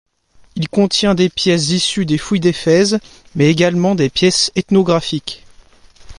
Il contient des pièces issues des fouilles d'Éphèse mais également des pièces ethnographiques.